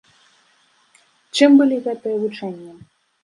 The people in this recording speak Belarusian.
Чым былі гэтыя вучэнні?